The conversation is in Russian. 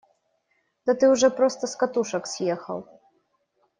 Да ты уже просто с катушек съехал!